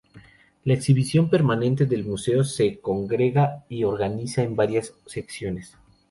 La exhibición permanente del museo se congrega y organiza en varias secciones.